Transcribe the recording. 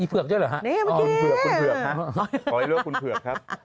เขาเหยียดใครหรือ